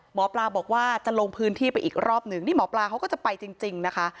หมอปลาบอกว่าจะลงพื้นที่ไปอีกรอบหนึ่งนี่หมอปลาเขาก็จะไปจริงนะคะ